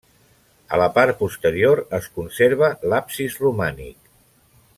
A la part posterior es conserva l'absis romànic.